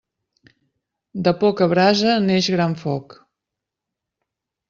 De poca brasa neix gran foc.